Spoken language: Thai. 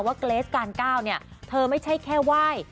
เกรสการก้าวเนี่ยเธอไม่ใช่แค่ไหว้